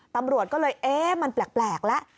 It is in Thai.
ตำรวจก็เลยเอ๊ะมันแปลกแล้ว